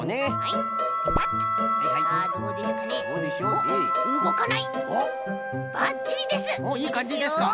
いいかんじですか。